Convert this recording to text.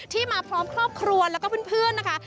มาพร้อมครอบครัวแล้วก็เพื่อนนะคะ